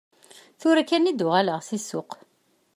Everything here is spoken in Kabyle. Tura kan i d-uɣaleɣ si ssuq.